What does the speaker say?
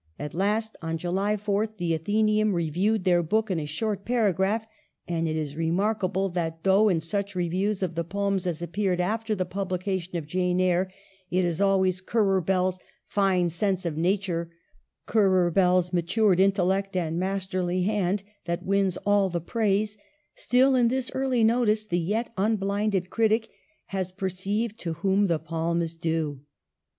At last, on July 4th, the Athenceitm reviewed their book in a short paragraph, and it is remarkable that, though in such reviews of the poems as appeared after the publication of 'Jane Eyre,' it is always Currer Bell's " fine sense of nature," Currer Bell's " matured intellect and masterly hand," that wins all the praise ; still, in this early no tice, the yet unblinded critic has perceived to whom the palm is due.